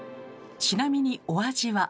ちなみにお味は？